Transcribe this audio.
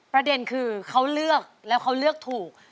ประเด็นคือเขาเลือกแล้วเขาเลือกถูก